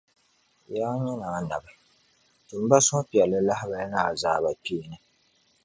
Yaa nyini Annabi! Tim ba suhupiɛlli lahibali ni azaabakpeeni.